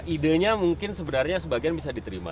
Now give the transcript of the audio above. ide nya mungkin sebenarnya sebagian bisa diterima